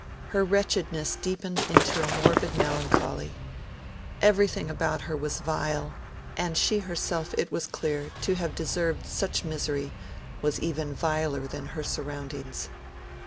Her wretchedness deepened into a morbid melancholy. Everything about her was vile, and she herself, it was clear, to have deserved such misery, was even viler than her surroundings.